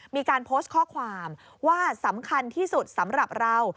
มีการโพสต์ข้อความว่าสำคัญที่สุดสำหรับเรา